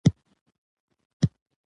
خوشبخته خلک هغه دي